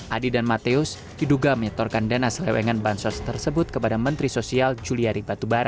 adi dan mateus diduga menyetorkan dana selewengan bansos tersebut kepada menteri sosial juliari batubara